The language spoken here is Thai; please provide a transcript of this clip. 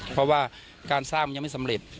เพราะว่าการสร้างมันยังไม่สำเร็จ